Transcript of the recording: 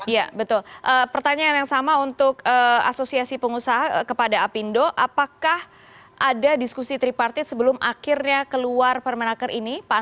ya betul pertanyaan yang sama untuk asosiasi pengusaha kepada apindo apakah ada diskusi tripartit sebelum akhirnya keluar permenaker ini